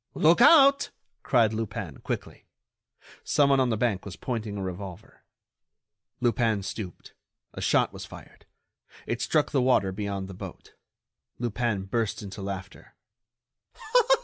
"Look out!" cried Lupin, quickly. Someone on the bank was pointing a revolver. Lupin stooped, a shot was fired; it struck the water beyond the boat. Lupin burst into laughter.